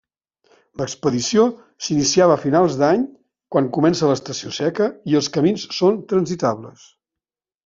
L'expedició s'iniciava a finals d'any quan comença l'estació seca i els camins són transitables.